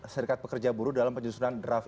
serikat pekerja buruh dalam penyusunan draft